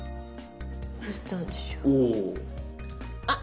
あっ！